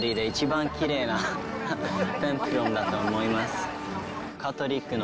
ハンガリーで一番きれいなテンプロムだと思います。